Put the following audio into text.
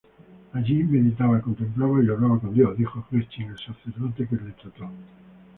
Allí "meditaba, contemplaba y hablaba con Dios", dijo Gretchen, el sacerdote que le trató.